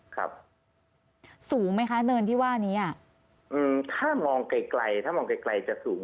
สูงไหมคะเนินที่ว่านี้อ่ะอืมถ้ามองไกลไกลถ้ามองไกลจะสูง